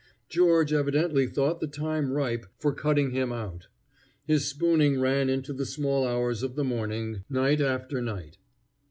George evidently thought the time ripe for cutting him out. His spooning ran into the small hours of the morning, night after night.